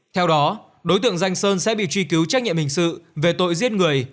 theo đó đối tượng danh sơn sẽ bị truy cứu trách nhiệm hình sự về tội giết người